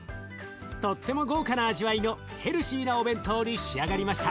とっても豪華な味わいのヘルシーなお弁当に仕上がりました。